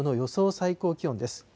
最高気温です。